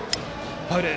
ファウル。